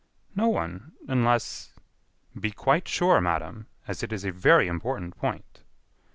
"No one.... unless...." "Be quite sure, madam, as it is a very important point."